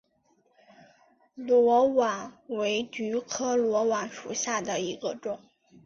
裸菀为菊科裸菀属下的一个种。